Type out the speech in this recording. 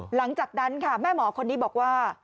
หลังจากนั้นค่ะแม่หมอคนนี้บอกว่า